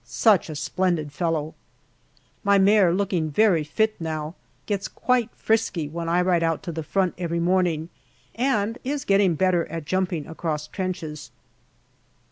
Such a splendid fellow ! My mare, looking very fit now, gets quite frisky when I ride out to the front every morning, and is getting better at jumping across trenches.